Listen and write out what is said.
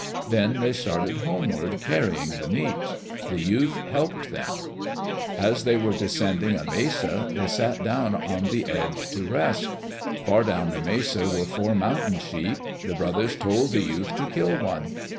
Then they started homeward, carrying the meat. The youth helped them. As they were descending a mesa, they sat down on the edge to rest. Far down the mesa were four mountain sheep. The brothers told the youth to kill one.